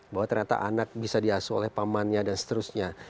bahwa ternyata anak bisa diasuh oleh pamannya dan seterusnya